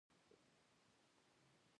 آیا د جاز فستیوال په مونټریال کې نه وي؟